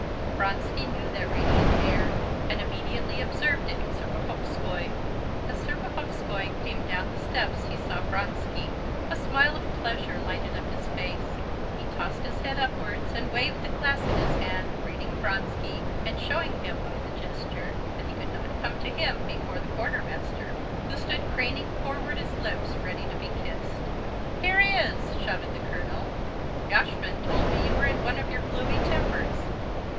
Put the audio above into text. Vronsky knew that radiant air, and immediately observed it in Serpuhovskoy. As Serpuhovskoy came down the steps he saw Vronsky. A smile of pleasure lighted up his face. He tossed his head upwards and waved the glass in his hand, greeting Vronsky, and showing him by the gesture that he could not come to him before the quartermaster, who stood craning forward his lips ready to be kissed. "Here he is!" shouted the colonel. "Yashvin told me you were in one of your gloomy tempers."